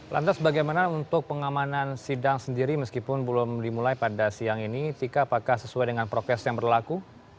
lantas bagaimana untuk pengamanan sidang sendiri meskipun belum dimulai pada siang ini tika apakah sesuai dengan prokes yang berlaku